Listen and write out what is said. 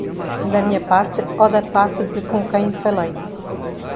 da minha parte ou da parte de com quem falei